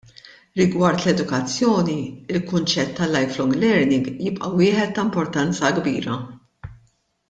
Rigward l-edukazzjoni l-kunċett tal-lifelong learning jibqa' wieħed ta' importanza kbira.